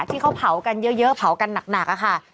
ที่เขาเผากันเยอะเผากันหนักค่ะ